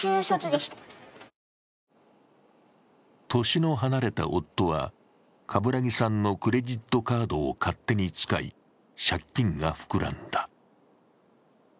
年の離れた夫は、冠木さんのクレジットカードを勝手に使い借金が膨らんだ。